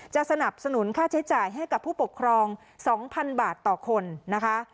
สนับสนุนค่าใช้จ่ายให้กับผู้ปกครอง๒๐๐๐บาทต่อคนนะคะ